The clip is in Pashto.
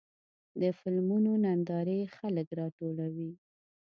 د فلمونو نندارې خلک راټولوي.